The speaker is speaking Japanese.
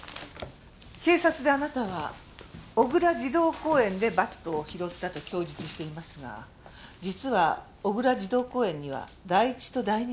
警察であなたは小倉児童公園でバットを拾ったと供述していますが実は小倉児童公園には第一と第二があります。